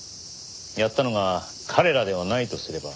やったのが彼らではないとすれば。